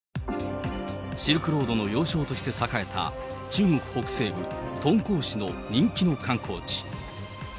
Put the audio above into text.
シルクロードの要衝として栄えた中国北西部、敦煌市の人気の観光地。